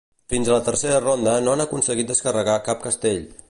Fins a la tercera ronda no han aconseguit descarregar cap castell.